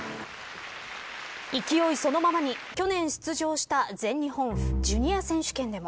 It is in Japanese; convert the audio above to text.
勢いそのままに、去年出場した全日本ジュニア選手権でも。